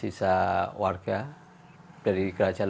ini yang dipsepasang